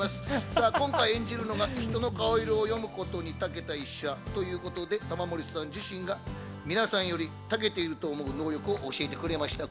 さあ、今回演じるのが人の顔色を読むことに長けた医者ということで、玉森さん自身が皆さんより長けていると思う能力を教えてくれました。